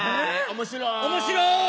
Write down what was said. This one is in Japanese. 面白い！